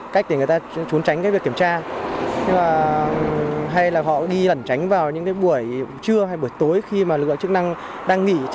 cách để người ta trốn tránh cái việc kiểm tra hay là họ đi lẩn tránh vào những cái buổi trưa hay buổi tối khi mà lực lượng chức năng đang nghỉ